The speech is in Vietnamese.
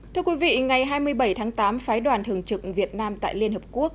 thưa quý vị ngày hai mươi bảy tháng tám phái đoàn thường trực việt nam tại liên hợp quốc